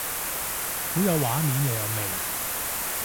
好有畫面又有味